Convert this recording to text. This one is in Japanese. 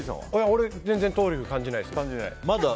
俺、全然トリュフ感じないです。